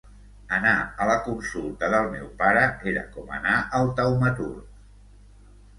Anar a la consulta del meu pare era com anar al taumaturg.